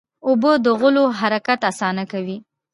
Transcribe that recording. اوبه د غولو حرکت اسانه کوي.